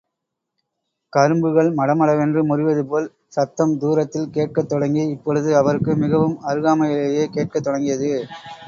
கரும்புகள் மடமட வென்று முறிவதுபோல் சத்தம் தூரத்தில் கேட்கத் தொடங்கி, இப்பொழுது அவருக்கு மிகவும் அருகாமையிலே கேட்கத் தொடங்கியது.